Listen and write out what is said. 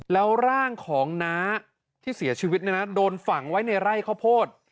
แล้วร่างของน้าที่เสียชีวิตเนี่ยนะโดนฝังไว้ในไร่ข้าวโพด